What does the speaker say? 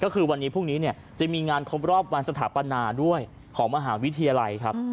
ก็คือวันนี้พรุ่งนี้เนี่ยจะมีงานครบรอบวันสถาปนาด้วยของมหาวิทยาลัยครับ